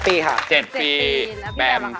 ๗ปีแล้วพี่ท่านนะคะ